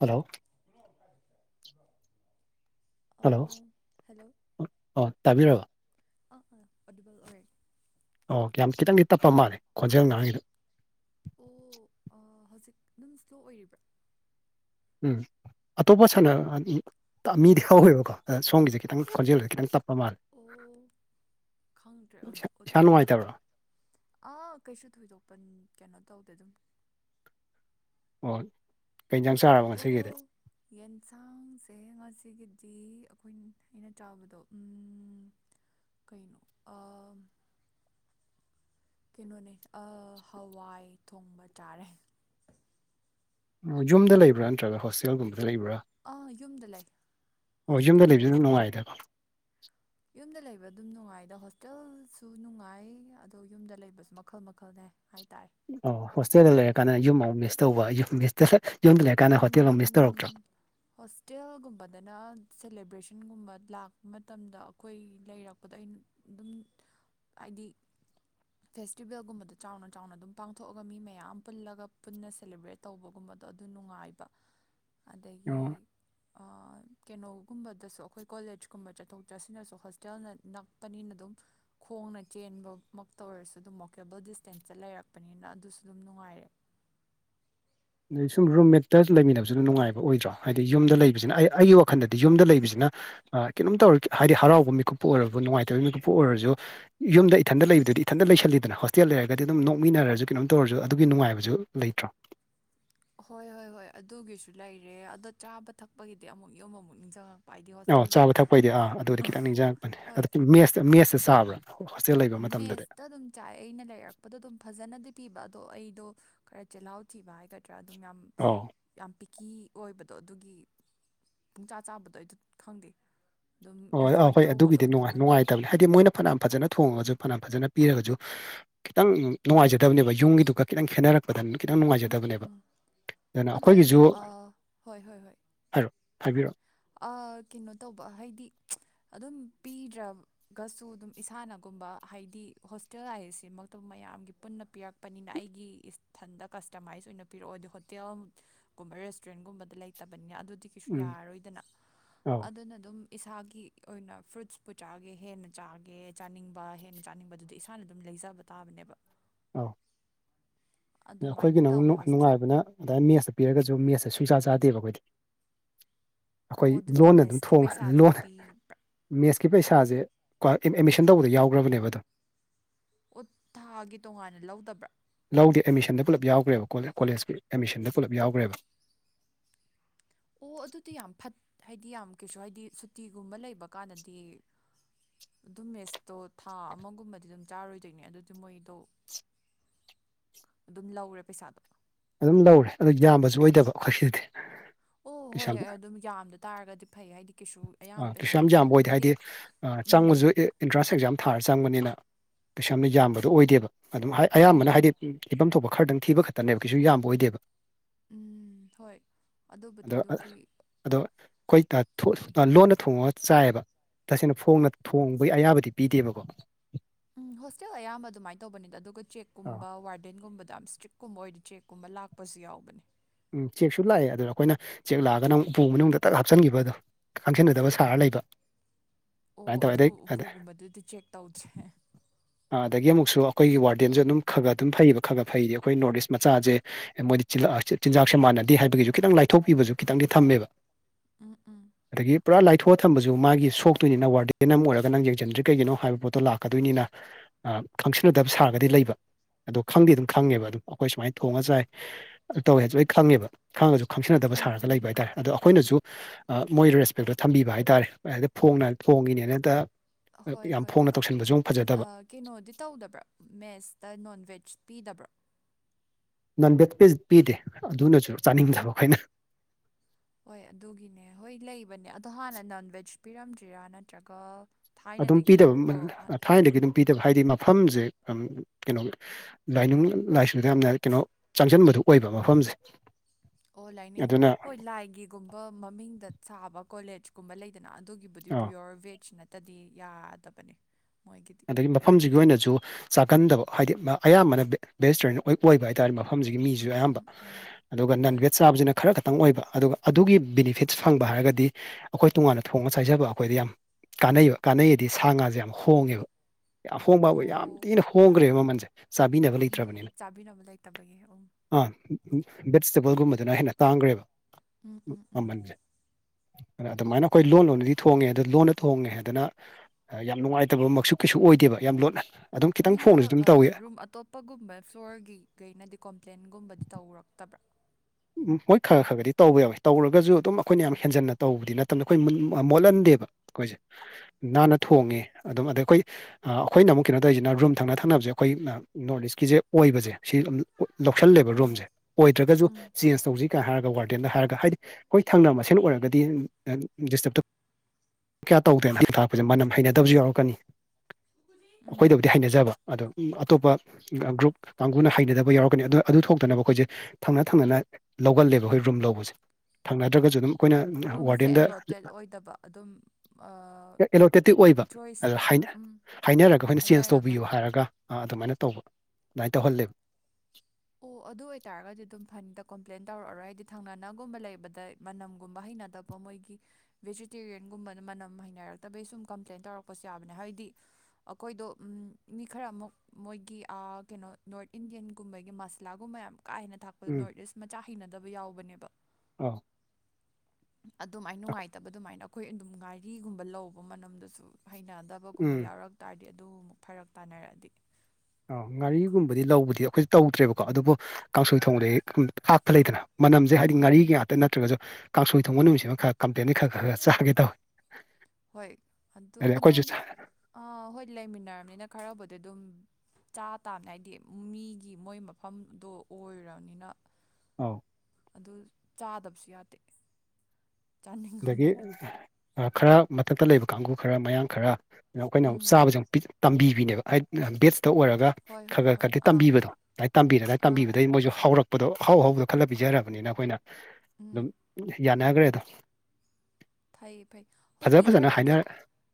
hello [unintelligible] hello ꯑꯥ hello ꯑꯣ ꯇꯥꯕꯤꯔꯕ ꯑꯥ ꯑꯥ ꯑꯣꯗꯤꯕꯜ ꯑꯣꯢ ꯑꯣ ꯀꯌꯥꯝ ꯈꯤꯇꯪꯗꯤ ꯇꯞꯄ ꯃꯥꯜꯂꯦ ꯈꯣꯟꯖꯦꯜ ꯉꯥꯡꯉꯤꯗꯣ ꯑꯣ ꯑꯥ ꯍꯧꯖꯤꯛ ꯑꯗꯨꯝ ꯁ꯭ꯂꯣ ꯑꯣꯢꯔꯤꯕ꯭ꯔꯥ ꯎꯝ ꯑꯇꯣꯞꯄ ꯁꯥꯟꯅ ꯃꯤꯗꯤ ꯍꯧꯋꯦꯕꯀꯣ ꯁꯣꯝꯒꯤꯁꯦ ꯈꯤꯇꯪ ꯈꯣꯟꯖꯦꯜ ꯈꯤꯇꯪ ꯇꯞꯄ ꯃꯥꯜꯂꯦ ꯑꯣ ꯈꯪꯗ꯭ꯔꯦ ꯑꯣ ꯏꯁꯥ ꯏꯁꯥ ꯑꯣꯗꯤꯌꯣ ꯅꯨꯡꯉꯥꯏꯇꯕ꯭ꯔꯣ ꯑꯥ ꯀꯩꯁꯨ ꯊꯣꯢꯗꯣꯛꯄꯟ ꯀꯩꯅꯣ ꯇꯧꯗꯦ ꯑꯗꯨꯝ ꯑꯣ ꯀꯩꯖꯥꯡ ꯆꯥꯔꯕ ꯉꯁꯤꯒꯤꯗꯤ ꯌꯦꯟꯖꯥꯡꯖꯦ ꯉꯁꯤꯒꯤꯗꯤ ꯑꯈꯣꯢ ꯑꯩꯅ ꯆꯥꯕꯗꯣ ꯎꯝ ꯀꯩꯅꯣ ꯑꯥꯝ ꯀꯩꯅꯣꯅꯦ ꯑꯥ ꯍꯋꯥꯢ ꯊꯣꯡꯕ ꯆꯥꯔꯦ ꯑꯣ ꯌꯨꯝꯗ ꯂꯩꯕ꯭ꯔꯥ ꯅꯠꯇ꯭ꯔꯒ ꯍꯣꯁꯇꯦꯜꯒꯨꯝꯕꯗ ꯂꯩꯕ꯭ꯔꯥ ꯑꯥ ꯌꯨꯝꯗ ꯂꯩ ꯑꯣ ꯌꯨꯝꯗ ꯍꯣꯁꯇꯦꯜꯗ ꯂꯩꯕꯁꯨ ꯑꯗꯨꯝ ꯂꯩꯇꯦ ꯅꯨꯡꯉꯥꯏꯗꯀꯣ ꯌꯨꯝꯗ ꯂꯩꯕ ꯑꯗꯨꯝ ꯅꯨꯡꯉꯥꯢꯗ ꯍꯣꯁꯇꯦꯜꯁꯨ ꯅꯨꯡꯉꯥꯢ ꯑꯗꯣ ꯌꯨꯝꯗ ꯂꯩꯕꯁꯨ ꯃꯈꯜ ꯃꯈꯜꯅꯦ ꯍꯥꯢꯇꯥꯔꯦ ꯑꯣ ꯍꯣꯁꯇꯦꯜꯗ ꯂꯩꯔꯀꯥꯟꯗ ꯌꯨꯝ ꯑꯃ ꯃꯤꯁ ꯇꯧꯕ ꯌꯨꯝ ꯃꯤꯁꯇꯍ ꯌꯨꯝꯗ ꯂꯩꯔꯀꯥꯟꯗ ꯍꯣꯇꯦꯜ ꯑꯝ ꯃꯤꯁ ꯇꯧꯔꯛꯇ꯭ꯔꯣ ꯎꯝ ꯍꯣꯁꯇꯦꯜꯒꯨꯝꯕꯗꯅ ꯁꯦꯂꯦꯕ꯭ꯔꯦꯁꯟꯒꯨꯝꯕ ꯂꯥꯛꯄ ꯃꯇꯝꯗ ꯑꯈꯣꯢ ꯂꯩꯔꯛꯄꯗ ꯑꯩꯟ ꯗꯨꯝ ꯍꯥꯢꯗꯤ ꯐꯦꯁꯇꯤꯚꯦꯜꯒꯨꯝꯕꯗ ꯆꯥꯎꯅ ꯆꯥꯎꯅ ꯑꯗꯨꯝ ꯄꯥꯡꯊꯣꯛꯑꯒ ꯃꯤ ꯃꯌꯥꯝ ꯄꯨꯜꯂꯒ ꯄꯨꯟꯅ ꯁꯦꯂꯦꯕ꯭ꯔꯦꯠ ꯇꯧꯕꯒꯨꯝꯕꯗꯣ ꯑꯗꯨ ꯅꯨꯡꯉꯥꯢꯕ [inaudible] ꯑꯗꯒꯤ ꯑꯣ ꯑꯥ ꯀꯩꯅꯣꯒꯨꯝꯕꯗꯁꯨ ꯑꯈꯣꯢ ꯀꯣꯂꯦꯖꯀꯨꯝꯕ ꯆꯠꯊꯣꯛ ꯆꯠꯁꯤꯟꯗꯁꯨ ꯍꯣꯁꯇꯦꯜꯅ ꯅꯛꯄꯅꯤꯅ ꯑꯗꯨꯝ ꯈꯣꯡꯅ ꯆꯦꯟꯕꯃꯛꯇ ꯑꯣꯢꯔꯁꯨ ꯑꯗꯨꯝ ꯃꯣꯀꯦꯕꯜ ꯗꯤꯁꯇꯦꯟꯁꯇ ꯂꯩꯔꯛꯄꯅꯤꯅ ꯑꯗꯨꯁꯨ ꯑꯗꯨꯝ ꯅꯨꯡꯉꯥꯢꯔꯦ ꯁꯨꯝ ꯔꯨꯝꯃꯦꯠꯇ ꯂꯩꯃꯤꯟꯅꯕꯁꯨ ꯑꯗꯨ ꯅꯨꯡꯉꯥꯢꯕ ꯑꯣꯏꯗ꯭ꯔꯣ ꯍꯥꯢꯗꯤ ꯌꯨꯝꯗ ꯂꯩꯕꯁꯤꯅ ꯑꯩ ꯑꯩꯒꯤ ꯋꯥꯈꯜꯗꯗꯤ ꯌꯨꯝꯗ ꯂꯩꯕꯁꯤꯅ ꯑꯥ ꯀꯩꯅꯣꯝ ꯇꯧꯔ ꯍꯥꯢꯗꯤ ꯍꯔꯥꯎꯕ ꯃꯤꯀꯨꯞꯄꯨ ꯑꯣꯏꯔꯕꯨ ꯅꯨꯡꯉꯥꯢꯇꯕ ꯃꯤꯀꯨꯞꯄꯨ ꯑꯣꯢꯔꯖꯨ ꯌꯨꯝꯗ ꯏꯊꯟꯇ ꯂꯩꯕꯗꯨꯗꯤ ꯏꯊꯟꯇ ꯂꯩꯁꯜꯂꯤꯗꯅ ꯍꯣꯁꯇꯦꯜ ꯂꯩꯔꯒꯗꯤ ꯑꯗꯨꯝ ꯅꯣꯛꯃꯤꯟꯅꯔꯖꯨ ꯀꯩꯅꯣꯝ ꯇꯧꯔꯖꯨ ꯑꯗꯨꯒꯤ ꯅꯨꯡꯉꯥꯢꯕꯖꯨ ꯂꯩꯇ꯭ꯔꯣ ꯍꯣꯢ ꯍꯣꯢ ꯍꯣꯢ ꯑꯗꯨꯒꯤꯁꯨ ꯂꯩꯔꯦ ꯑꯗꯣ ꯆꯥꯕ ꯊꯛꯄꯒꯤꯗꯤ ꯑꯃꯨꯛ ꯌꯨꯝ ꯑꯃꯨꯛ ꯅꯤꯡꯁꯪꯉꯛ ꯑꯥ ꯆꯥꯕ ꯊꯛꯄꯩꯗꯤ ꯑꯥ ꯑꯗꯨꯗꯤ ꯈꯤꯇꯪ ꯅꯤꯡꯖꯉꯛꯄꯅꯦ ꯍꯣꯏ ꯑꯗꯨ ꯃꯦꯁ ꯃꯦꯁꯇ ꯆꯥꯕ꯭ꯔꯥ ꯍꯣꯁꯇꯦꯜ ꯂꯩꯕ ꯃꯇꯝꯗꯗꯤ ꯃꯦꯁꯇ ꯗꯨꯝ ꯆꯥꯢ ꯑꯩꯅ ꯂꯩꯔꯛꯄꯗꯣ ꯑꯗꯨꯝ ꯐꯖꯅꯗꯤ ꯄꯤꯕ ꯑꯗꯣ ꯑꯩꯗꯣ ꯈꯔ ꯆꯦꯂꯥꯎ ꯊꯤꯕ ꯍꯥꯢꯒꯗ꯭ꯔꯥ ꯑꯗꯨꯝ ꯌꯥꯝ ꯑꯧ ꯌꯥꯝ ꯄꯤꯀꯤ ꯑꯣꯢꯕꯗꯣ ꯑꯗꯨꯒꯤ ꯄꯨꯡ ꯆꯥ ꯆꯥꯕꯗꯣ ꯑꯩꯗꯨ ꯈꯪꯗꯦ ꯑꯗꯨꯝ ꯑꯣꯏ ꯑꯥꯎ ꯑꯦꯚꯣꯏꯠ ꯍꯣꯢ ꯇꯧꯕꯗꯣ ꯑꯗꯨꯒꯤꯗꯤ ꯅꯨꯡꯉꯥꯢ ꯑꯗꯨꯃꯥꯏꯅ ꯅꯨꯡꯉꯥꯢꯇꯕꯅꯦ ꯍꯥꯢꯗꯤ ꯃꯣꯢꯅ ꯐꯅꯥꯝ ꯐꯖꯅ ꯊꯣꯡꯉꯖꯨ ꯐꯅꯥꯝ ꯐꯖꯅ ꯄꯤꯔꯒꯖꯨ ꯈꯤꯇꯪ ꯅꯨꯡꯉꯥꯏꯖꯗꯕꯅꯦꯕ ꯌꯨꯝꯒꯤꯗꯨꯒ ꯈꯤꯇꯪ ꯈꯦꯠꯅꯔꯛꯄꯗ ꯈꯤꯇꯪ ꯎꯝ ꯎꯝ ꯎꯝ ꯅꯨꯡꯉꯥꯏꯖꯗꯕꯅꯦꯕ ꯑꯗꯨꯅ ꯑꯗꯣ ꯑꯩ ꯑꯈꯣꯏꯒꯤꯖꯨ ꯑꯗꯨꯝ ꯑ ꯍꯥꯏꯔꯣ ꯍꯥꯏꯕꯤꯔꯣ ꯑꯥ ꯀꯤꯅꯣ ꯇꯧꯕ ꯍꯥꯏꯗꯤ ꯑꯗꯨꯝ ꯄꯤꯗ꯭ꯔ ꯒꯁꯨ ꯑꯗꯨꯝ ꯏꯁꯥꯅꯒꯨꯝꯕ ꯍꯥꯏꯗꯤ ꯍꯣꯁꯇꯦꯜ ꯍꯥꯏꯁꯤꯃꯛꯇꯕꯨ ꯃꯌꯥꯝꯒꯤ ꯄꯨꯟꯅ ꯄꯤꯔꯛ ꯄꯅꯤꯅ ꯑꯩꯒꯤ ꯏꯁ ꯊꯟꯗ ꯀꯁꯇꯃꯥꯏꯁ ꯑꯣꯏꯅ ꯄꯤꯔꯛꯑꯣꯗꯤ ꯍꯣꯇꯦꯜ ꯒꯨꯝꯕ ꯔꯦꯁꯇꯨꯔꯦꯟꯒꯨꯝꯕꯗ ꯂꯩꯇꯕꯅꯤꯅ ꯑꯗꯨꯗꯤ ꯀꯩꯁꯨ ꯎꯝ ꯌꯥꯔꯔꯣꯏ [inaudible] ꯑꯗꯨꯅ ꯑꯗꯨꯝ ꯏꯁꯥꯒꯤ ꯑꯣꯏꯅ ꯐ꯭ꯔꯨꯠꯁꯄꯨ ꯆꯥꯒꯦ ꯍꯦꯟꯅ ꯆꯥꯒꯦ ꯆꯥꯅꯤꯡꯕ ꯍꯦꯟꯅ ꯆꯥꯅꯤꯡꯕꯗꯨꯗꯤ ꯏꯁꯥ ꯏꯁꯥꯅ ꯑꯗꯨꯝ ꯂꯩꯖꯕ ꯇꯥꯕꯅꯦꯕ ꯑꯥꯎ ꯑꯗꯨꯃꯥꯏꯅ ꯑꯩꯈꯣꯏꯒꯤꯅ ꯑꯃꯨꯛ ꯇꯧꯋꯦ ꯅꯨ ꯍꯣꯁꯇꯦꯜ ꯅꯨꯉꯥꯏꯕꯅ ꯑꯗꯥꯏ ꯃꯦꯁꯇ ꯄꯤꯔꯒꯖꯨ ꯃꯦꯁꯇ ꯁꯨꯡꯆꯥ ꯆꯥꯗꯦꯕ ꯑꯈꯣꯏꯗꯤ ꯑꯈꯣꯏ ꯑꯣ ꯑꯗꯨꯗꯤ ꯂꯣꯟꯅ ꯑꯗꯨꯝ ꯃꯦꯁꯀꯤ ꯊꯣꯡꯉ ꯄꯩꯁꯥꯗꯤ ꯂꯣꯟ ꯄꯤꯕ꯭ꯔꯥ ꯃꯦꯁꯀꯤ ꯄꯩꯁꯥꯖꯦ ꯈ꯭ꯋꯥꯢ ꯑꯦ ꯑꯦ ꯑꯦꯝꯃꯤꯁꯟ ꯇꯧꯕꯗ ꯌꯥꯎꯒ꯭ꯔꯕꯅꯦꯕ ꯑꯗꯨꯝ ꯎꯠ ꯊꯥꯒꯤ ꯇꯣꯉꯥꯟꯅ ꯂꯧꯗꯕ꯭ꯔꯥ ꯂꯧꯗꯦ ꯑꯦꯃꯤꯁꯟꯗ ꯄꯨꯂꯞ ꯌꯥꯎꯒ꯭ꯔꯦꯕ ꯀꯣꯜ ꯀꯣꯂꯦꯖꯀꯤ ꯑꯦꯃꯤꯁꯟꯗ ꯄꯨꯂꯞ ꯌꯥꯎꯒ꯭ꯔꯦꯕ ꯑꯣ ꯑꯗꯨꯗꯤ ꯌꯥꯝ ꯐꯠ ꯍꯥꯏꯗꯤ ꯌꯥꯝ ꯀꯩꯁꯨ ꯍꯥꯏꯗꯤ ꯁꯨꯇꯤꯒꯨꯝꯕ ꯂꯩꯕ ꯀꯥꯟꯗꯗꯤ ꯑꯗꯨꯝ ꯃꯦꯁꯇꯣ ꯊꯥ ꯑꯃꯒꯨꯝꯕꯗꯤ ꯗꯨꯝ ꯆꯥꯔꯣꯏꯗꯣꯏꯅꯦ ꯑꯗꯨꯗꯤ ꯃꯣꯏꯗꯣ ꯑꯗꯨꯝ ꯂꯧꯔꯦ ꯄꯩꯁꯥꯗꯣ ꯑꯗꯨꯝ ꯂꯧꯔꯦ ꯑꯗꯨ ꯌꯥꯝꯕꯖꯨ ꯑꯣꯏꯗꯕ ꯑꯈꯣꯏꯒꯤꯗꯤ ꯑꯣ ꯍꯣꯏ ꯑꯗꯨꯝ ꯌꯥꯝꯗ ꯇꯥꯔꯒꯗꯤ ꯐꯩ ꯍꯥꯏꯗꯤ ꯀꯩꯁꯨ ꯑꯥ ꯑꯌꯥꯝꯕ ꯀꯩꯁꯨ ꯌꯥꯝ ꯄꯩꯁꯥꯅ ꯌꯥꯝꯕ ꯑꯣꯏꯗꯦ ꯍꯥꯏꯗꯤ ꯑꯥ ꯎꯝ ꯆꯪꯕꯖꯨ ꯑꯦ ꯑꯦꯟꯇ꯭ꯔꯥꯟꯁ ꯑꯦꯛꯖꯥꯝ ꯊꯥꯔ ꯆꯪꯕꯅꯤꯅ ꯄꯩꯁꯥ ꯌꯥꯝꯅ ꯌꯥꯝꯕꯗꯣ ꯑꯣꯏꯗꯦꯕ ꯑꯗꯨꯝ ꯍꯥꯏ ꯎꯝ ꯑꯌꯥꯝꯕꯅ ꯍꯥꯏꯗꯤ ꯄꯤꯐꯝ ꯊꯣꯛꯄ ꯈꯔꯗꯪ ꯊꯤꯕ ꯈꯠꯇꯅꯦꯕ ꯀꯩꯁꯨ ꯌꯥꯝꯕ ꯑꯣꯏꯗꯦꯕ ꯎꯝ ꯍꯣꯏ ꯑꯗꯨꯕꯨꯗꯤ ꯑꯗꯣ ꯑꯗꯨꯒꯤ ꯑꯗꯣ ꯈꯣꯏ ꯇꯥ ꯊꯣꯠ ꯑꯥ ꯂꯣꯟꯅ ꯊꯣꯡꯉꯒ ꯆꯥꯏꯌꯦꯕ ꯇꯁꯦꯡꯅ ꯐꯣꯡꯅ ꯊꯣꯡꯕꯒꯤ ꯑꯌꯥꯕꯗꯤ ꯄꯤꯗꯦꯕꯀꯣ ꯎꯝ ꯍꯣꯁꯇꯦꯜ ꯑꯌꯥꯝꯕ ꯑꯗꯨꯃꯥꯏ ꯇꯧꯕꯅꯤꯗ ꯑꯗꯨꯒ ꯑꯥ ꯆꯦꯛꯀꯨꯝꯕ ꯋꯥꯔꯗꯦꯟꯒꯨꯝꯕꯗ ꯌꯥꯝ ꯁ꯭ꯇꯔꯤꯛ ꯀꯨꯝꯕ ꯑꯣꯏꯗꯤ ꯆꯦꯛꯀꯨꯝꯕ ꯂꯥꯛꯄꯁꯨ ꯌꯥꯎꯕꯅꯦ ꯎꯝ ꯆꯦꯛꯁꯨ ꯂꯥꯛꯑꯦ ꯑꯗꯨꯗꯣ ꯑꯩꯈꯣꯏꯅ ꯆꯦꯛ ꯂꯥꯛꯑꯒꯅ ꯑꯃꯨꯛ ꯎꯄꯨꯨ ꯃꯅꯨꯡꯗ ꯇꯛ ꯍꯥꯞꯆꯟꯈꯤꯕ ꯑꯗꯨꯝ ꯈꯪꯁꯟꯅꯗꯕ ꯁꯥꯔ ꯂꯩꯕ ꯑꯣ ꯑꯗꯨꯃꯥꯏꯅ ꯇꯧꯋꯦ ꯑꯗꯨ ꯑꯗꯩ ꯑꯗꯩ ꯎꯄꯨꯒꯨꯝꯕꯗꯨꯗꯤ ꯆꯦꯛ ꯇꯧꯗ꯭ꯔꯦ ꯑꯗꯒꯤ ꯑꯃꯨꯛꯁꯨ ꯑꯩꯈꯣꯏꯒꯤ ꯋꯥꯔꯗꯦꯟꯖꯨ ꯑꯗꯨꯝ ꯈꯒ ꯈꯒ ꯑꯗꯨꯝ ꯐꯩꯌꯦꯕ ꯈꯒ ꯐꯩꯗꯤ ꯑꯩꯈꯣꯏ ꯅꯣꯔꯠ ꯏꯁ ꯃꯆꯥꯖꯦ ꯑꯦ ꯃꯣꯏꯗꯤ ꯆꯤꯟꯂꯥꯛ ꯆꯤꯟꯖꯥꯛꯁꯦ ꯃꯥꯟꯅꯗꯦ ꯍꯥꯏꯕꯒꯤꯁꯨ ꯈꯤꯇꯪ ꯂꯥꯏꯊꯣꯛꯄꯤꯕꯁꯨ ꯈꯤꯇꯪꯗꯤ ꯊꯝꯃꯦꯕ ꯎꯝ ꯎꯝ ꯑꯗꯒꯤ ꯄꯨꯔꯥ ꯂꯥꯏꯊꯣꯛꯑ ꯊꯝꯕꯁꯨ ꯃꯥꯒꯤ ꯁꯣꯛꯇꯣꯏꯅꯤꯅ ꯋꯥꯔꯗꯦꯟ ꯑꯃ ꯑꯣꯏꯔꯒ ꯅꯪ ꯌꯦꯡꯖꯟꯗ꯭ꯔꯤ ꯀꯩꯒꯤꯅꯣ ꯍꯥꯏꯕ ꯄꯣꯠꯇꯣ ꯂꯥꯛꯀꯗꯣꯏꯅꯤꯅ ꯑ ꯈꯪꯁꯤꯟꯅꯗꯕ ꯁꯥꯔꯒꯗꯤ ꯂꯩꯕ ꯑꯗꯣ ꯈꯪꯗꯤ ꯑꯗꯨꯝ ꯈꯪꯉꯦꯕ ꯑꯗꯨꯝ ꯑꯩꯈꯣꯏ ꯁꯨꯃꯥꯏꯅ ꯊꯣꯡꯉ ꯆꯥꯏ ꯑꯗꯨ ꯇꯧꯋꯦ ꯍꯥꯏꯁꯨ ꯑꯩ ꯈꯪꯉꯦꯕ ꯈꯪꯉꯒꯁꯨ ꯈꯪꯁꯤꯟꯅꯗꯕ ꯀꯤꯟ ꯁꯥꯔꯒ ꯂꯩꯕ ꯍꯥꯏꯇꯥꯔꯦ ꯑꯗꯣ ꯑꯩꯈꯣꯏꯅꯁꯨ ꯑ ꯃꯣꯏ ꯔꯦꯁꯄꯦꯛꯇꯣ ꯊꯝꯕꯤꯕ ꯍꯥꯏꯇꯥꯥꯔꯦ ꯍꯥꯏꯗꯤ ꯐꯣꯡꯅ ꯊꯣꯡꯉꯤꯅꯦꯅ ꯍꯦꯛꯇ ꯍꯣꯏ ꯌꯥꯝ ꯍꯣꯏ ꯐꯣꯡꯅ ꯍꯣꯏ ꯇꯧꯁꯟꯕꯁꯨꯨ ꯀꯩ- ꯐꯖꯗꯕ ꯑ, ꯀꯩꯅꯣꯗꯤ ꯇꯧꯗꯕ꯭ꯔꯥ ꯃꯦꯖꯇ ꯅꯣꯟ ꯚꯦꯖ ꯄꯤꯗꯕ꯭ꯔꯣ ꯅꯟ ꯚꯦꯠꯄꯤꯁ ꯄꯤꯗꯦ ꯑꯗꯨꯅꯁꯨ ꯆꯥꯅꯤꯡꯗꯕ ꯑꯩꯈꯣꯏꯅ ꯍꯣꯏ ꯑꯗꯨꯒꯤꯅꯦ ꯍꯣꯏ ꯂꯩꯕꯅꯦ ꯑꯗꯣ ꯍꯥꯟꯅ ꯅꯟꯚꯦꯖ ꯄꯤꯔꯝꯗ꯭ꯔꯤꯔꯥ ꯅꯠꯇ꯭ꯔꯒ ꯑꯗꯨꯝ ꯊꯥꯏꯅꯗꯒꯤ ꯄꯤꯗꯕ ꯍꯧ- ꯍ- ꯊꯥꯏꯅꯗꯒꯤ ꯑꯗꯨꯝ ꯄꯤꯗꯕ ꯍꯥꯏꯗꯤ ꯃꯐꯝꯁꯦ ꯑꯝ ꯀꯩꯅꯣ ꯂꯥꯏꯅꯤꯡ ꯂꯥꯏꯁꯨꯗ ꯌꯥꯝꯅ ꯀꯩꯅꯣ ꯆꯪꯖꯟꯕꯗꯨ ꯑꯣꯏꯕ ꯃꯐꯝꯁꯦ ꯑꯣ ꯂꯥꯏꯅꯤꯡ ꯑꯗꯨꯅ ꯍꯣꯏ ꯂꯥꯏꯒꯤꯒꯨꯝꯕ ꯃꯃꯤꯡꯗ ꯁꯥꯕ ꯀꯣꯂꯦꯖꯀꯨꯝꯕ ꯂꯩꯗꯅ ꯑꯗꯨ ꯒꯤꯕꯨꯗꯤ ꯑ, ꯄꯤꯌꯣꯔ ꯕꯦꯖ ꯅꯠꯇꯗꯤ ꯌꯥꯗꯕꯅꯦ ꯃꯣꯏꯒꯤꯗꯤ ꯑꯗꯒꯤ ꯃꯐꯝꯖꯤꯒꯤ ꯑꯣꯏꯅꯖꯨ ꯆꯥꯒꯟꯗꯕ ꯍꯥꯏꯗꯤ ꯑꯌꯥꯝꯕꯅ ꯕꯦꯁꯇ꯭ꯔꯦꯟ ꯑꯣꯏ ꯑꯣꯏꯕ ꯍꯥꯏꯇꯥꯔꯦ ꯃꯐꯝꯖꯤꯒꯤ ꯃꯤꯖꯨ ꯑꯌꯥꯝꯕ ꯎꯝ ꯎꯝ ꯑꯗꯨꯒ ꯅꯟ ꯍꯣꯏ ꯕꯦꯖ ꯆꯥꯕꯁꯤꯅ ꯈꯔ ꯈꯠ ꯈꯤꯇꯪ ꯑꯣꯏꯕ ꯑꯗꯨꯒ ꯑꯗꯨꯒꯤ ꯕꯤꯅꯤꯐꯤꯠꯁ ꯐꯪꯕ ꯍꯥꯏꯔꯒꯗꯤ ꯑꯩꯈꯣꯏ ꯇꯣꯉꯥꯟꯅ ꯊꯣꯡꯅ ꯆꯥꯏꯖꯕ ꯑꯩꯈꯣꯏꯗ ꯌꯥꯝ ꯀꯥꯟꯅꯩꯕ ꯀꯥꯟꯅꯩꯌꯦꯗꯤ ꯁꯥ ꯉꯥꯖꯦ ꯌꯥꯝ ꯍꯣꯡꯉꯦꯕ ꯌꯥ ꯍꯣꯡꯕꯕꯨ ꯌꯥꯝ ꯑꯣ ꯊꯤꯅ ꯌꯥꯝ ꯍꯣꯡꯒ꯭ꯔꯦ ꯃꯃꯜꯖꯦ ꯆꯥꯕꯤꯅꯕ ꯎꯝ ꯂꯩꯇ꯭ꯔꯕꯅꯤꯅ ꯆꯥꯕꯤꯅꯕ ꯂꯩꯇꯕꯒꯤ ꯎꯝ ꯑꯥ ꯚꯦꯖꯇꯦꯕꯜꯒꯨꯝꯕꯗꯨꯅ ꯍꯦꯟꯅ ꯇꯥꯡꯒ꯭ꯔꯦꯕ ꯎꯝ ꯎꯝ ꯎꯝ ꯃꯃꯜꯖꯦ ꯑꯗꯨꯃꯥꯏꯅ ꯑꯈꯣꯏ ꯂꯣꯟ ꯂꯣꯟꯅꯗꯤ ꯊꯣꯡꯉꯦ ꯑꯗꯨ ꯂꯣꯟꯅ ꯊꯣꯡꯉꯦ ꯍꯥꯏꯗꯅ ꯌꯥꯝ ꯅꯨꯡꯉꯥꯏꯇꯕ ꯃꯛꯁꯨ ꯀꯩꯁꯨ ꯑꯣꯏꯗꯦꯕ ꯌꯥꯝ ꯂꯣꯠꯅ ꯑꯗꯨꯝ ꯈꯤꯇꯪ ꯐꯣꯡꯅꯖꯨ ꯑꯗꯨꯝ ꯇꯧꯏ ꯄꯒꯨꯝꯕ ꯐ꯭ꯂꯣꯔꯒꯤꯒꯩꯅꯗꯤ ꯀꯣꯝꯄ꯭ꯂꯦꯟꯒꯨꯝꯕꯗꯤ ꯇꯧꯔꯛꯇꯕ꯭ꯔꯥ ꯎꯝ ꯃꯣꯏ ꯈꯔ ꯈꯔ ꯈꯗꯤ ꯇꯧꯕ ꯌꯥꯎꯋꯤ ꯇꯧꯔꯒꯖꯨ ꯑꯗꯨꯝ ꯑꯈꯣꯏꯅ ꯌꯥꯝ ꯍꯦꯟꯖꯟꯅ ꯇꯧꯕꯗꯤ ꯅꯠꯇꯝꯅ ꯑꯈꯣꯏ ꯃꯣꯠꯂꯟꯗꯦꯕ ꯈꯣꯏꯖꯦ ꯅꯥꯟꯅ ꯍꯣꯏ ꯊꯣꯡꯉꯦ ꯑꯗꯨꯝ ꯑꯗꯩ ꯑꯈꯣꯏ ꯑ ꯑꯈꯣꯏꯅ ꯑꯃꯨꯛ ꯀꯩꯅꯣ ꯇꯧꯏꯖꯤꯅ ꯔꯨꯝ ꯊꯪꯅ ꯊꯪꯅꯕꯖꯦ ꯑꯈꯣꯏ ꯅꯣꯔꯠ ꯏꯁꯀꯤꯖꯦ ꯑꯣꯏꯕꯖꯦ ꯁꯤ ꯂꯧꯁꯜꯂꯦꯕ ꯎꯝ ꯔꯨꯝꯖꯦ ꯑꯣꯏꯗ꯭ꯔꯒꯖꯨ ꯎꯝ ꯆꯦꯟꯖ ꯇꯧꯁꯤ ꯀꯥꯏꯅ ꯍꯥꯏꯔꯒ ꯋꯥꯔꯗꯦꯟꯗ ꯍꯥꯏꯔꯒ ꯍꯥꯏꯗꯤ ꯈꯣꯏ ꯊꯪꯅꯕ ꯃꯁꯦꯟ ꯑꯣꯏꯔꯒꯗꯤ ꯗꯤꯁꯇꯔꯕ ꯇꯧ ꯀꯌꯥ ꯇꯧꯗꯦꯅ ꯊꯥꯛꯄꯁꯦ ꯃꯅꯝ ꯍꯩꯅꯗꯕꯖꯨ ꯌꯥꯎꯔꯛꯀꯅꯤ ꯎꯝ ꯑꯩꯈꯣꯏꯗꯕꯨ ꯗꯤ ꯍꯩꯅꯖꯕ ꯑꯗꯣ ꯑꯇꯣꯞꯄ ꯒ꯭ꯔꯨꯞ ꯀꯥꯡꯒꯨꯅ ꯍꯩꯅꯗꯕ ꯌꯥꯎꯔꯛꯀꯅꯤ ꯑ ꯑꯗꯨ ꯊꯣꯛꯇꯅꯕ ꯑꯈꯣꯏꯖꯦ ꯊꯪꯅ ꯊꯪꯅꯅ ꯂꯧꯒꯜꯂꯦꯕ ꯑꯈꯣꯏ ꯔꯨꯝ ꯂꯧꯕꯖꯦ ꯊꯪꯅꯗ꯭ꯔꯒꯖꯨ ꯑꯗꯨꯝ ꯑꯩꯈꯣꯏꯅ ꯔꯨꯝꯁꯦ ꯋꯥꯔꯗꯦꯟꯗ ꯑꯦꯂꯣꯇꯦꯠ ꯑꯣꯏꯗꯕ ꯑꯗꯨꯝ ꯑꯥ ꯑꯦꯂꯣꯇꯦꯇꯤꯞ ꯑꯣꯏꯕ ꯆꯣꯏꯁ ꯑꯗ ꯎꯝ ꯍꯥꯏꯅꯔꯒ ꯑꯈꯣꯏꯅ ꯆꯦꯟꯖ ꯍꯥꯏꯅꯔꯒ ꯇꯧꯕꯤꯌꯨ ꯍꯥꯏꯔꯒ ꯑꯥ ꯑꯗꯨꯃꯥꯏꯅ ꯇꯧꯕ ꯑꯗꯨꯃꯥꯏ ꯇꯧꯍꯜꯂꯦꯕ ꯑꯣ ꯑꯗꯨ ꯑꯣꯏꯇꯥꯔꯒꯗꯤ ꯑꯗꯨꯝ ꯐꯅꯤꯗ ꯀꯣꯝꯄ꯭ꯂꯦꯟ ꯇꯧꯔꯛꯑꯔꯣꯏ ꯍꯥꯏꯗꯤ ꯊꯪꯅꯅꯒꯨꯝꯕ ꯂꯩꯕꯗ ꯃꯅꯝꯒꯨꯝꯕ ꯍꯩꯅꯗ ꯕ ꯃꯣꯏꯒꯤ ꯚꯤꯖꯤꯇꯦꯔꯤꯌꯟꯒꯨꯝꯕꯅ ꯃꯅꯝ ꯍꯩꯅꯔꯛꯇꯕꯩ ꯁꯨꯝ ꯀꯝꯄ꯭ꯂꯦꯟ ꯇꯧꯔꯛꯄꯁꯨ ꯌꯥꯎꯕꯅꯦ ꯍꯥꯏꯗꯤ ꯑꯈꯣꯏꯗꯣ ꯎꯝ ꯃꯤ ꯈꯔ ꯑꯃꯨꯛ ꯃꯣꯏꯒꯤ ꯑꯥ ꯀꯩꯅꯣ ꯅꯣꯔꯠ ꯏꯟꯗꯤꯌꯟꯒꯨꯝꯕ ꯒꯤ ꯃꯁꯂꯥꯒꯨꯝꯕ ꯌꯥꯝ ꯀꯥ ꯍꯦꯟꯅ ꯊꯥꯛꯄꯗ ꯎꯝ ꯅꯣꯔꯠ ꯏꯁ ꯃꯆꯥ ꯍꯩꯅꯗꯕ ꯌꯥꯎꯕꯅꯦꯕ ꯑꯧ ꯑꯗꯨꯃꯥꯏ ꯅꯨꯡꯉꯥꯏꯇꯕ ꯑꯗꯨꯃꯥꯏꯅ ꯑꯈꯣꯏ ꯑꯗꯨꯝ ꯉꯥꯔꯤꯒꯨꯝꯕ ꯂꯧꯕ ꯃꯅꯝꯗꯁꯨ ꯍꯩꯅꯗꯕ ꯕꯒꯨꯝꯕ ꯎꯝ ꯌꯥꯎꯔꯛ ꯇꯥꯔꯗꯤ ꯑꯗꯨ ꯑꯃꯨꯛ ꯐꯔꯛ ꯇꯥꯅꯔꯛꯑꯗꯤ ꯑꯥꯎ ꯉꯥꯔꯤꯒꯨꯝꯕꯗꯤ ꯂꯧꯕꯗꯤ ꯑꯈꯣꯏꯖꯨ ꯇꯧꯗ꯭ꯔꯦꯕꯀꯣ ꯑꯗꯨꯕꯨ ꯀꯥꯡꯁꯣꯏ ꯊꯣꯡꯕꯗꯒꯤ ꯍꯥꯞꯄ ꯂꯩꯗꯅ ꯃꯅꯝꯖꯦ ꯎꯝ ꯍꯥꯏꯗꯤ ꯎꯝ ꯎꯝ ꯉꯥꯔꯤꯒꯤ ꯉꯥꯛꯇ ꯅꯠꯇ꯭ꯔꯒꯖꯨ ꯀꯥꯡꯁꯣꯏ ꯊꯣꯡꯕ ꯅꯨꯃꯤꯠꯁꯤꯃ ꯈꯔ ꯀꯝꯄ꯭ꯂꯦꯟꯗꯤ ꯈ ꯈꯒ ꯆꯥꯒꯦ ꯇꯧꯋꯤ ꯍꯣꯏ ꯑꯗꯨ ꯑꯗꯩ ꯑꯩꯈꯣꯏꯁꯨ ꯑꯗꯨꯗꯤ ꯑꯥ ꯍꯣꯏ ꯂꯩꯃꯤꯟꯅꯔꯝꯅꯤꯅ ꯈꯔꯕꯨꯗꯤ ꯑꯗꯨꯝ ꯆꯥ ꯇꯥꯝꯅꯤ ꯍꯥꯏꯗꯤ ꯃꯤꯒꯤ ꯃꯣꯏ ꯃꯐꯝꯗꯣ ꯑꯣꯏꯔꯨꯔꯝꯅꯤꯅ ꯑꯥꯎ ꯑꯗꯨ ꯆꯥꯗꯕꯁꯨ ꯌꯥꯗꯦ ꯗꯒꯤ ꯆꯥꯅꯤꯡꯉꯕꯅꯤꯅ ꯈꯔ ꯃꯊꯛꯇ ꯂꯩꯕ ꯀꯥꯡꯒꯨ ꯈꯔ ꯃꯌꯥꯡ ꯈꯔ ꯗ ꯑꯈꯣꯏꯅꯃꯨꯛ ꯎꯝ ꯆꯥꯕꯖꯦ ꯃꯨꯛ ꯕꯤꯠ ꯇꯝꯕꯤꯕꯤꯅꯦꯕ ꯍꯥꯏ ꯕꯦꯖꯇ ꯑꯣꯏꯔꯒ ꯍꯣꯏ ꯍꯣꯏ ꯈꯒ ꯍꯣꯏ ꯀꯗꯤ ꯑꯥ ꯇꯝꯕꯤꯕꯗꯣ ꯍꯥꯏ ꯇꯝꯕꯤꯔꯗꯥꯥꯏ ꯑꯥ ꯇꯝꯕꯤꯕꯗꯩ ꯃꯣꯏꯖꯨ ꯍꯥꯎꯔꯛ ꯄꯗꯣ ꯑꯍꯥꯎ ꯑꯍꯥꯎꯕꯗꯣ ꯈꯜꯂ ꯄꯤꯖꯔꯕꯅꯤꯅ ꯑꯈꯣꯏꯅ ꯗꯨꯝ ꯎꯝ ꯌꯥꯅꯒ꯭ꯔꯦ ꯗꯣ ꯐꯩ ꯐꯩ ꯍꯣꯏ ꯐꯖ ꯃꯤ ꯈꯔ ꯐꯖꯅ ꯑꯗꯣ ꯍꯥꯏꯅꯔ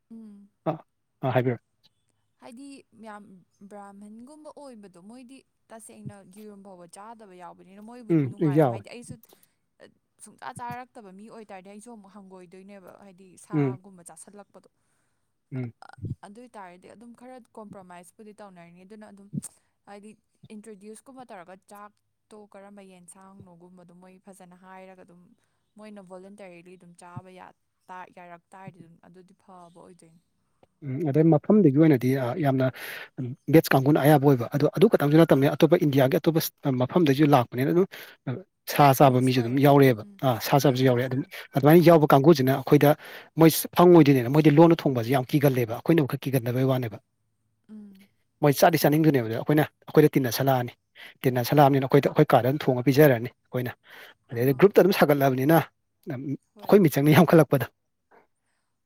ꯎꯝ ꯑꯥ ꯍꯥꯏꯕꯤꯔꯣ ꯍꯥꯏꯗꯤ ꯌꯥꯝ ꯕ꯭ꯔꯥꯝꯍꯟꯒꯨꯝꯕ ꯑꯣꯏꯕꯗꯣ ꯃꯣꯏꯗꯤ ꯇꯁꯦꯡꯅ ꯌꯦꯔꯨꯝ ꯐꯥꯎꯕ ꯆꯥꯗꯕ ꯌꯥꯎꯕꯅꯤꯅ ꯃꯣꯏꯕꯨꯗꯤ ꯎꯝ ꯅꯨꯡꯉꯥꯏꯔꯝ ꯌꯥꯎꯋꯦ ꯍꯥꯏꯗꯤ ꯑꯩꯁꯨ ꯑ ꯁꯨꯡꯆꯥꯥ ꯆꯥꯔꯛꯇꯕ ꯃꯤ ꯑꯣꯏꯇꯥꯥꯔꯗꯤ ꯑꯩꯁꯨ ꯑꯃꯨꯛ ꯍꯪꯒꯣꯏꯗꯣꯏꯅꯦꯕ ꯍꯥꯏꯗꯤ ꯎꯝ ꯁꯥꯒꯨꯝꯕ ꯆꯥꯁꯜꯂꯛꯄꯗꯣ ꯎꯝ ꯑꯗꯨ ꯑꯣꯏ ꯇꯥꯔꯗꯤ ꯑꯗꯨꯝ ꯈꯔ ꯀꯣꯝꯄ꯭ꯔꯣꯃꯥꯏꯁꯄꯨꯗꯤ ꯇꯧꯅꯔꯅꯤ ꯑꯗꯨꯅ ꯑꯗꯨꯝ ꯍꯥꯏꯗꯤ ꯏꯟꯇ꯭ꯔꯣꯗ꯭ꯌꯨꯁꯀꯨꯝꯕ ꯇꯧꯔꯒ ꯆꯥꯛ ꯇꯣ ꯀꯔꯝꯕ ꯌꯦꯟꯁꯥꯡꯅꯣꯒꯨꯝꯕꯗꯣ ꯃꯣꯏ ꯐꯖꯅ ꯍꯥꯏꯔꯒ ꯗꯨꯝ ꯃꯣꯏꯅ ꯚꯣꯂꯨꯟꯇꯔꯤꯂꯤ ꯑꯗꯨꯝ ꯆꯥꯕ ꯌꯥ ꯇꯥ ꯌꯥꯔꯛ ꯇꯥꯔꯗꯤ ꯑꯗꯨꯗꯤ ꯐꯕ ꯑꯣꯏꯗꯣꯏꯟ ꯎꯝ ꯑꯗ ꯃꯐꯝꯗꯨꯒꯤ ꯑꯣꯏꯅꯗꯤ ꯑ ꯌꯥꯝꯅ ꯕꯦꯠꯖ ꯀꯥꯡꯒꯨꯅ ꯑꯌꯥꯕ ꯑꯣꯏꯕ ꯑꯗꯣ ꯑꯗꯨ ꯈꯇꯪꯖꯨ ꯅꯠꯇꯝꯅ‌ꯦ ꯑꯇꯣꯞꯄ ꯏꯟꯗꯤꯌꯥꯒꯤ ꯑꯇꯣꯞꯄ ꯏꯁ ꯃꯐꯝꯗꯩꯖꯨ ꯂꯥꯛꯄꯅꯤꯅ ꯑꯗꯨꯝ [unintelligible] ꯁꯥ ꯆꯥꯕ ꯃꯤꯛꯁ ꯃꯤꯖꯨ ꯑꯗꯨꯝ ꯑꯣꯏꯔꯦ ꯌꯥꯎꯔꯑꯦꯕ ꯎꯝ ꯑꯥ ꯁꯥ ꯍꯣꯏ ꯆꯥꯕꯖꯨ ꯌꯥꯎꯔꯑꯦ ꯑꯗꯨꯝ ꯌꯥꯎꯕꯅꯦ ꯑꯗꯨꯃꯥꯏꯅ ꯑꯥ ꯌꯥꯎꯕ ꯀꯥꯡꯒꯨꯖꯤꯅ ꯑꯈꯣꯏꯗ ꯃꯣꯏꯁ ꯐꯪꯉꯣꯏꯗꯣꯏꯅꯦꯅ ꯃꯣꯏꯗꯤ ꯂꯣꯟꯅ ꯊꯣꯡꯕꯖꯦ ꯌꯥꯝ ꯀꯤꯒꯜꯂꯦꯕ ꯑꯈꯣꯏꯅꯕꯨ ꯈ ꯀꯤꯒꯟꯗꯕꯩ ꯋꯥꯅꯦꯕ ꯎꯝ ꯃꯣꯏ ꯆꯥꯗꯤ ꯆꯥꯅꯤꯡꯗꯣꯏꯅꯦꯕ ꯗ ꯑꯈꯣꯏꯅ ꯑꯈꯣꯏꯗ ꯇꯤꯟꯅꯁꯜꯂꯑꯅꯤ ꯇꯤꯟꯅꯁꯜꯂꯑꯝꯅꯤꯅ ꯑꯈꯣꯏꯗ ꯑꯈꯣꯏ ꯀꯥꯗ [unintelligible] ꯊꯣꯡꯉ ꯄꯤꯖꯔꯅꯤ ꯑꯈꯣꯏꯅ ꯑꯥ ꯗꯩꯗꯤ ꯒ꯭ꯔꯨꯞꯇ ꯑꯗꯨꯝ ꯁꯥꯒꯠꯂꯑꯕꯅꯤꯅ [unintelligible] ꯍꯣꯏ ꯑꯈꯣꯏ ꯃꯤꯆꯪꯅ ꯌꯥꯝꯈꯠꯂꯛꯄꯗꯣ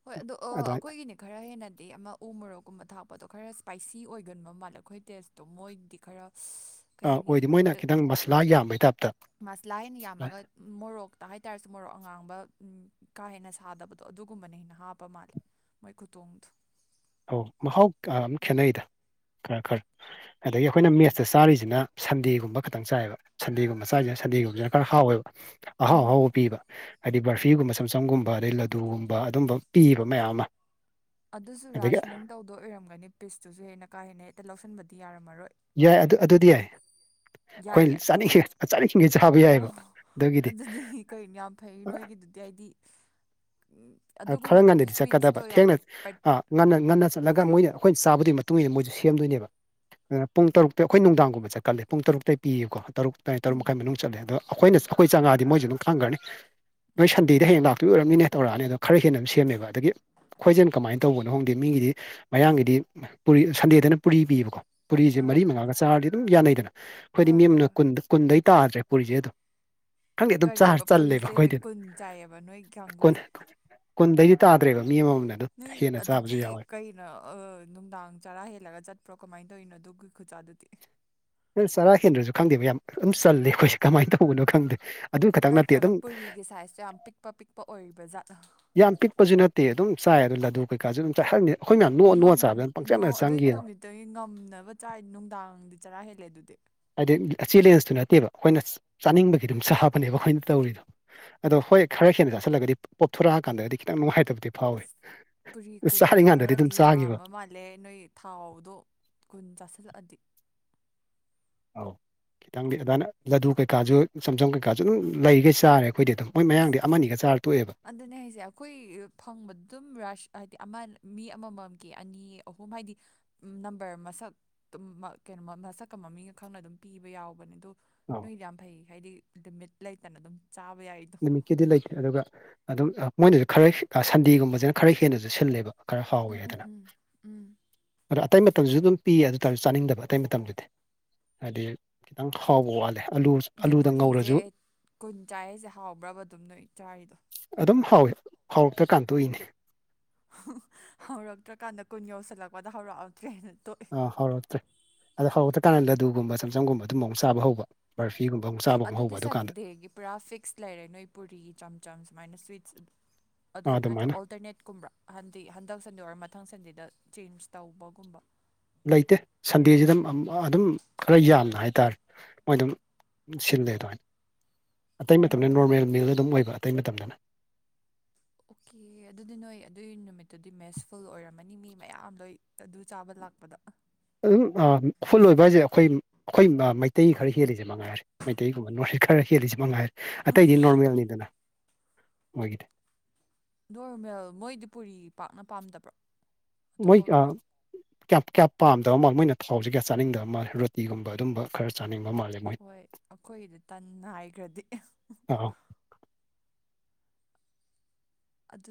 ꯍꯣꯏ ꯑꯗꯣ ꯑꯣ ꯑꯗꯨꯃꯥꯏꯅ ꯑꯈꯣꯏꯒꯤꯅꯦ ꯈꯔ ꯍꯦꯟꯅꯗꯤ ꯑꯃ ꯎ ꯃꯣꯔꯣꯛꯀꯨꯝꯕ ꯊꯥꯛꯄꯗꯣ ꯈꯔ ꯁ꯭ꯄꯥꯏꯁꯤ ꯑꯣꯏꯒꯟꯕ ꯃꯥꯜꯂꯦ ꯑꯈꯣꯏ ꯇꯦꯁ ꯇꯣ ꯃꯣꯏꯗꯤ ꯈꯔ [unintelligible] ꯑꯥ ꯑꯣꯏꯗꯦ ꯃꯣꯏꯅ ꯑ ꯈꯤꯇꯪ ꯃꯁꯂꯥ ꯌꯥꯝꯕꯩ ꯇꯥꯏꯞꯇ ꯃꯁꯂꯥ ꯍꯦꯟꯅ ꯌꯥꯝꯃꯒ ꯃꯣꯔꯣꯛꯇ ꯍꯥꯏꯇꯥꯥꯔꯁꯨ ꯃꯣꯔꯣꯛ ꯑꯉꯥꯡꯕ ꯎꯝ ꯀꯥ ꯍꯦꯟꯅ ꯁꯥꯗꯕꯗꯣ ꯑꯗꯨꯒꯨꯝꯕꯅ ꯍꯦꯟꯅ ꯍꯥꯞꯄ ꯃꯥꯜꯂꯦ ꯃꯣꯏ ꯈꯨꯇ‌ꯣꯡꯗꯣ ꯑꯣ ꯃꯍꯥꯎ ꯀꯥ ꯑꯝ ꯈꯦꯠꯅꯩꯗ ꯈꯔ ꯈꯔ ꯑꯗꯒꯤ ꯑꯈꯣꯏꯅ ꯃꯦꯁ ꯆ ꯆꯥꯔꯤꯖꯤꯅ ꯁꯟꯗꯦꯒꯨꯝꯕ ꯈꯇꯪ ꯆꯥꯏꯕ ꯁꯟꯗꯦꯒꯨꯝꯕ ꯆꯥꯏꯖꯦ ꯁꯟꯗꯦꯒꯨꯝꯕꯖꯤꯅ ꯈꯔ ꯍꯥꯎꯋꯦꯕ ꯑꯍꯥꯎ ꯎꯝ ꯑꯍꯥꯎꯕ ꯄꯤꯕ ꯍꯥꯏꯗꯤ ꯕꯔꯐꯤꯒꯨꯝꯕ ꯁꯝ ꯁꯝꯒꯨꯝꯕ ꯑꯗꯩ ꯂꯗꯨꯒꯨꯝꯕ ꯑꯗꯨꯝꯕ ꯄꯤꯕ ꯃꯌꯥꯝ ꯑꯃ ꯑꯗꯨꯁꯨ ꯑꯗꯒꯤ ꯔꯥꯁꯅꯤꯡ ꯇꯧꯗꯣ ꯑꯣꯏꯔꯝꯒꯅꯤ ꯄꯤꯁꯇꯨꯖꯨ ꯍꯦꯟꯅ ꯀꯥ ꯍꯦꯟꯅ ꯍꯦꯇ ꯂꯧꯁꯟꯕꯗꯤ ꯌꯥꯔꯝꯃꯔꯣꯏ ꯌꯥꯏ ꯑꯗꯨ ꯑꯗꯨꯗꯤ ꯌꯥꯏ ꯈꯣꯏ ꯌꯥꯏꯌꯦ ꯆꯥꯅꯤꯡꯈꯤ ꯆꯥꯅꯤꯡꯈꯤꯒꯩ ꯆꯥꯕ ꯑꯣ ꯌꯥꯏꯕꯥ ꯗꯨꯒꯤꯗꯤ ꯑꯗꯨꯗꯤ ꯀꯩꯅꯣ ꯌꯥꯝ ꯐꯩ ꯅꯣꯏꯒꯤꯗꯨꯗꯤ ꯍꯥꯏꯗꯤ ꯎꯝ ꯑꯗꯨꯒꯨꯝꯕꯗꯗꯤ ꯁ꯭ꯋꯤꯠꯁꯇꯣ ꯌꯥꯝ ꯄꯠ ꯑ ꯉꯟꯅ ꯉꯟꯅ ꯆꯠꯂꯒ ꯃꯣꯏꯅ ꯑꯈꯣꯏꯅ ꯆꯥꯕꯗꯨꯏ ꯃꯇꯨꯡ ꯏꯟꯅ ꯃꯣꯏꯖꯨ ꯁꯦꯝꯗꯣꯏꯅꯦꯕ ꯑ ꯄꯨꯡ ꯇꯔꯨꯛꯇ ꯑꯈꯣꯏ ꯅꯨꯡꯗꯥꯡꯒꯨꯝꯕ ꯆꯠꯀꯜꯂꯦ ꯄꯨꯡ ꯇꯔꯨꯛꯇꯩ ꯄꯤꯌꯦꯀꯣ ꯇꯔꯨꯛ ꯇꯥꯏ ꯇꯔꯨꯛ ꯎꯝ ꯃꯈꯥꯏ ꯃꯅꯨꯡ ꯆꯠꯂꯦ ꯑꯗꯣ ꯑꯈꯣꯏꯅ ꯆ ꯑꯈꯣꯏ ꯆꯥꯉꯥꯑꯗꯤ ꯃꯣꯏꯖꯨ ꯑꯗꯨꯝ ꯈꯪꯒ꯭ꯔꯅꯤ ꯅꯣꯏ ꯁꯟꯗꯦ ꯗ‌ꯦ ꯍꯌꯦꯡ ꯂꯥꯛꯇꯣꯏ ꯑꯣꯏꯔꯝꯅꯤꯅꯦ ꯇꯧꯔꯑꯅꯤ ꯑꯗꯣ ꯈꯔ ꯍꯦꯟꯅ ꯑꯗꯨ ꯁꯦꯝꯃꯦꯕ ꯑꯗꯒꯤ ꯈꯣꯏꯖꯦꯟ ꯀꯃꯥꯏꯟ ꯇꯧꯕꯅꯣ ꯈꯪꯗꯦ ꯃꯤꯒꯤꯗꯤ ꯃꯌꯥꯡꯒꯤꯗꯤ ꯄꯨꯔꯤ ꯁꯟꯗꯦꯗꯅ ꯄꯨꯔꯤ ꯄꯤꯌꯦꯕꯀꯣ ꯄꯨꯔꯤꯖ‌ꯦ ꯑꯥ ꯃꯔꯤ ꯃꯉꯥꯒ ꯆꯥꯔꯗꯤ ꯑꯗꯨꯝ ꯌꯥꯅꯩꯗꯅ ꯈꯣꯏꯗꯤ ꯍꯣꯏ ꯃꯤ ꯍꯣꯏ ꯑꯃꯅ ꯍꯣꯏ ꯀꯨꯟꯗ ꯀꯨꯟꯗꯩ ꯇꯥꯗ꯭ꯔꯦ ꯄꯨꯔꯤꯖ‌ꯦ ꯑꯗꯨ ꯈꯪꯗꯦ ꯑꯗꯨꯝ ꯆꯥꯔ ꯀꯔꯤꯕ ꯆꯜꯂꯦꯕ ꯄꯨꯔꯤꯁꯦ ꯑꯩꯈꯣꯏꯗꯤ ꯀꯨꯟ ꯆꯥꯏꯌꯦꯕ ꯅꯣꯏ [unintelligible] ꯀꯣꯟ ꯀꯥꯡꯒꯨꯁꯦ ꯀꯨꯟꯗꯒꯤ ꯇꯥꯗ꯭ꯔꯦꯕ ꯃꯤ ꯑꯃꯃꯝꯅ ꯅꯣꯏ ꯍꯦꯟꯅ ꯑꯗꯨꯗꯤ ꯆꯥꯕꯁꯨ ꯌꯥꯎꯋꯦ ꯀꯩ ꯔꯥ ꯑ ꯅꯨꯡꯗꯥꯡ ꯆꯔꯥ ꯍꯦꯜꯂꯒ ꯆꯠꯄ꯭ꯔꯣ ꯀꯃꯥꯏꯟ ꯇꯧꯏꯅꯣ ꯑꯗꯨꯒꯤ ꯈꯨꯆꯥꯗꯨꯗꯤ ꯑꯦ ꯆꯔꯥ ꯍꯦꯟꯗ꯭ꯔꯁꯨ ꯈꯪꯗꯦꯕ ꯌꯥꯝ ꯑꯗꯨꯝ ꯆꯜꯂꯦ ꯑꯩꯈꯣꯏꯁꯦ ꯀꯃꯥꯏꯟ ꯇꯧꯕꯅꯣ ꯈꯪꯗꯦ ꯑꯗꯨ ꯈꯛꯇꯪ ꯅꯠꯇꯦ ꯅꯠꯇ꯭ꯔꯒ ꯑꯗꯨꯝ ꯄꯨꯔꯤꯒꯤ ꯁꯥꯏꯖꯇꯣ ꯌꯥꯝ ꯄꯤꯛꯄ ꯄꯤꯛꯄ ꯑꯣꯏꯕ ꯖꯥꯠꯂ ꯌꯥꯝ ꯄꯤꯛꯄꯁꯨ ꯅꯠꯇꯦ ꯑꯗꯨꯝ ꯆꯥꯏ ꯑꯗꯣ ꯂꯥꯗꯨ ꯀꯩꯀꯥꯖꯨ ꯑꯗꯨꯝ ꯆꯥꯏ ꯈꯪꯗꯦ ꯑꯩꯈꯣꯏ ꯃꯌꯥꯝ ꯅꯣꯛꯑ ꯅꯣꯛꯑ ꯆꯥꯕꯗꯟ ꯄꯪꯆꯝꯗ ꯆꯪꯈꯤ [unintelligible] ꯒꯤ ꯉꯝꯅꯕ ꯆꯥꯏ ꯅꯨꯡꯗꯥꯡꯗꯤ ꯆꯔꯥ ꯍꯦꯜꯂꯦ ꯑꯗꯨꯗꯤ ꯍꯥꯏꯗꯤ ꯆꯦꯂꯦꯟꯖꯇꯨ ꯅꯠꯇꯦꯕ ꯑꯩꯈꯣꯏꯅ ꯆ ꯆꯥꯅꯤꯡꯕꯒꯤ ꯑꯗꯨꯝ ꯆꯥꯕꯅꯦꯕ ꯑꯩꯈꯣꯏꯅ ꯇꯧꯔꯤꯗꯣ ꯑꯗꯣ ꯍꯣꯏ ꯈꯔ ꯍꯦꯟꯅ ꯆꯥꯁꯤꯜꯂꯒꯗꯤ ꯄ ꯄꯣꯝꯊꯣꯔꯑꯀꯥꯟꯗꯗꯤ ꯈꯤꯇꯪ ꯅꯨꯡꯉꯥꯏꯇꯕꯗꯤ ꯐꯥꯎꯋꯤ ꯑꯁ ꯄꯨꯔꯤ ꯀꯨꯟꯗꯤ ꯆꯥꯔꯤꯀꯥꯟꯗꯗꯤ ꯑꯗꯨꯝ ꯈꯔꯗꯤ ꯆꯥꯈꯤꯕ ꯌꯥꯝꯕ ꯃꯥꯜ ꯂꯦ ꯅꯣꯏꯒꯤ ꯊꯥꯎꯗꯣ ꯀꯨꯟ ꯆꯥꯁꯤꯜꯂꯛꯑꯗꯤ ꯑꯧ ꯈꯤꯇꯪꯗꯤ ꯑꯗꯨꯃꯥꯏꯅ ꯂꯥꯗꯨ ꯀꯩꯀꯥꯁꯨ ꯆꯝꯆꯝ ꯀꯩꯀꯥꯁꯨ ꯑꯗꯨꯝ ꯂꯩꯒꯩ ꯆꯥꯔꯦ ꯑꯩꯈꯣꯏꯗꯤ ꯑꯗꯨꯝ ꯃꯣꯏ ꯑꯁ ꯃꯌꯥꯡꯗꯤ ꯑꯃꯅꯤꯒ ꯆꯥꯔ ꯇꯣꯛꯑꯦꯕ ꯑꯗꯨꯅꯦ ꯍꯥꯏꯁꯦ ꯑꯩꯈꯣꯏ ꯐꯪꯕ ꯑꯗꯨꯝ ꯔꯁ ꯍꯥꯏꯗꯤ ꯑꯃ ꯃꯤ ꯑꯃꯃꯝꯒꯤ ꯑꯅꯤ ꯑꯍꯨꯝ ꯍꯥꯏꯗꯤ ꯅꯝꯕꯔ ꯃꯁꯛ ꯇꯨꯝꯃꯥ ꯀꯣꯅꯣ ꯃ ꯃꯁꯛꯀ ꯃꯃꯤꯡꯒ ꯈꯪꯅ ꯑꯗꯨꯝ ꯄꯤꯕ ꯌꯥꯎꯕꯅꯦ ꯑꯗꯨ ꯑꯣ ꯅꯣꯏꯗꯤ ꯌꯥꯝ ꯐꯩ ꯍꯥꯏꯗꯤ ꯂꯤꯃꯤꯠ ꯂꯩꯇꯅ ꯑꯗꯨꯝ ꯆꯥꯕ ꯌꯥꯏ ꯅꯨꯃꯤꯠꯀꯤꯗꯤ ꯂꯩꯇꯦ ꯑꯗꯨꯒ ꯑꯗꯨꯝ ꯑꯥ ꯃꯣꯏꯅꯁꯨ ꯈꯔ ꯁꯟꯗꯦꯒꯨꯝꯕꯁꯤꯅ ꯈꯔ ꯍꯦꯟꯅꯁꯨ ꯁꯤꯜꯂꯦꯕ ꯈꯔ ꯍꯥꯎꯋꯤ ꯎꯝ ꯎꯝ ꯍꯥꯏꯗꯅ ꯎꯝ ꯎꯝ ꯑꯗꯣ ꯑꯇꯩ ꯃꯇꯝꯗꯨꯁꯨ ꯑꯗꯨꯝ ꯄꯤꯌꯦ ꯑꯗꯨ ꯇꯥꯔꯁꯨ ꯆꯥꯅꯤꯡꯗꯕ ꯑꯇꯩ ꯃꯇꯝꯗꯗꯤ ꯍꯥꯏꯗꯤ ꯈꯤꯇꯪ ꯍꯥꯎꯕ ꯋꯥꯠꯂꯦ ꯑꯂꯨ ꯑꯗꯨ ꯑꯂꯨꯗ ꯄꯨꯔꯤꯁꯦ ꯉꯧꯔꯁꯨ ꯀꯨꯟ ꯆꯥꯔꯤꯁꯦ ꯍꯥꯎꯕ꯭ꯔꯥꯕ ꯑꯗꯨꯝ ꯅꯣꯏ ꯆꯥꯔꯤꯗꯣ ꯑꯗꯨꯝ ꯍꯥꯎꯏ ꯍꯥꯎꯔꯛꯇ ꯀꯥꯟꯇꯣꯛꯏꯅꯦ ꯍꯧꯔꯛꯇ꯭ꯔꯀꯥꯟꯗ ꯀꯨꯟ ꯌꯧꯁꯤꯜꯂꯛꯄꯗ ꯍꯧꯔꯛꯑꯗ꯭ꯔꯦꯅ ꯇꯣꯛ ꯑ ꯍꯧꯔꯛꯇ꯭ꯔꯦ ꯑꯗꯣ ꯍꯧꯔꯛꯇ꯭ꯔꯀꯥꯟꯗ ꯂꯗꯨꯒꯨꯝꯕ ꯆꯝꯆꯝꯒꯨꯝꯕ ꯑꯗꯨꯝ ꯆꯥꯕ ꯍꯧꯕ ꯕꯔꯐꯤꯒꯨꯝꯕ ꯑꯃꯨꯛ ꯆꯥꯕ ꯑꯃꯨꯛ ꯍꯧꯕ ꯑꯗꯨꯗꯤ ꯑꯗꯨꯀꯥꯟꯗ ꯁꯟꯗꯦꯒꯤ ꯄꯨꯔꯥ ꯐꯤꯛꯁ ꯂꯩꯔꯦ ꯅꯣꯏ ꯄꯨꯔꯤ ꯆꯝꯆꯝ ꯁꯨꯃꯥꯏꯅ ꯁ꯭ꯋꯤꯠꯁ ꯑꯗꯨ ꯑꯥ ꯑꯗꯨꯃꯥꯏꯅ ꯅꯠꯇ꯭ꯔꯒ ꯑꯣꯜꯇꯔꯅꯦꯠꯀꯨꯝꯕ꯭ꯔꯥ ꯍꯥꯏꯕꯗꯤ ꯍꯟꯗꯛ ꯁꯟꯗꯦ ꯑꯣꯔ ꯃꯊꯪ ꯁꯟꯗꯦꯗ ꯆꯦꯟꯖ ꯇꯧꯕꯒꯨꯝꯕ ꯂꯩꯇꯦ ꯁꯟꯗꯦꯁꯤꯗ ꯑꯗꯨꯝ ꯈꯔ ꯌꯥꯝꯅ ꯍꯥꯏꯇꯥꯔꯦ ꯃꯣꯏ ꯑꯗꯨꯝ ꯁꯤꯜꯂꯦ ꯑꯗꯣꯏ ꯑꯇꯩ ꯃꯇꯝꯗ ꯎꯝ ꯅꯣꯔꯃꯦꯜ ꯃꯤꯜ ꯑꯗꯨꯝ ꯑꯣꯏꯕ ꯑꯇꯩ ꯃꯇꯝꯗꯅ ꯑꯣꯀꯤꯌꯦ ꯑꯗꯨꯗꯤ ꯅꯣꯏ ꯑꯗꯨꯒꯤ ꯅꯨꯃꯤꯠꯇꯨꯗꯤ ꯃꯦꯁ ꯐꯨꯜ ꯑꯣꯏꯔꯝꯃꯅꯤ ꯃꯤ ꯃꯌꯥꯝ ꯂꯣꯏ ꯑꯗꯨ ꯆꯥꯕ ꯂꯥꯛꯄꯗ ꯑꯗꯨꯝ ꯑꯥ ꯎꯝ ꯐꯨꯜ ꯑꯣꯏꯕ ꯍꯥꯏꯁꯦ ꯑꯩꯈꯣꯏ ꯑꯩꯈꯣꯏ ꯃꯩꯇꯩ ꯈꯔ ꯍꯦꯜꯂꯤꯁꯦ ꯃꯉꯥꯏꯔꯦ ꯃꯩꯇꯩꯒꯨꯝꯕ ꯅꯣꯔꯠ ꯏꯁ ꯈꯔ ꯍꯦꯜꯂꯤꯁꯤ ꯃꯉꯥꯏꯔꯦ ꯑꯇꯩꯗꯤ ꯅꯣꯔꯃꯦꯜꯅꯤꯗꯅ ꯃꯣꯏꯒꯤꯗꯤ ꯅꯣꯔꯃꯦꯜ ꯃꯣꯏꯗꯤ ꯄꯨꯔꯤ ꯄꯥꯛꯅ ꯄꯥꯝꯗꯕ꯭ꯔꯣ ꯑꯇꯣꯞꯄ ꯃꯣꯏꯀꯥ ꯀꯌꯥꯝ ꯀꯌꯥ ꯄꯥꯝꯗꯕ ꯃꯥꯜꯂꯦ ꯃꯣꯏꯅ ꯊꯥꯎꯁꯦ ꯀꯌꯥ ꯆꯥꯅꯤꯡꯗꯕ ꯃꯥꯜꯂꯤ ꯔꯣꯇꯤꯒꯨꯝꯕ ꯑꯗꯨꯕ ꯈꯔ ꯆꯥꯅꯤꯡꯕ ꯃꯥꯟ ꯍꯣꯏ ꯑꯩꯈꯣꯏꯒꯤꯗꯤ ꯇꯟꯅ ꯍꯥꯏꯈ꯭ꯔꯗꯤ ꯑꯧ ꯑꯗꯨ